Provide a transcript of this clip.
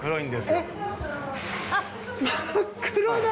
えっあっ。